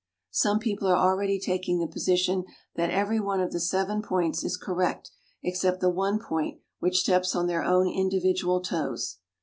Some people are already taking the position that every one of the seven points is correct except the one point which steps on their own individual toes.